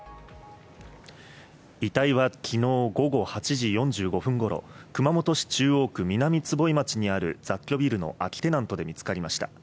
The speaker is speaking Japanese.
遺体はきのう午後８時４５分ごろ、熊本市中央区南坪井町にある雑居ビルの空きテナントで見つかりました。